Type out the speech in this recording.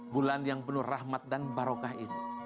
bulan yang penuh rahmat dan barokah ini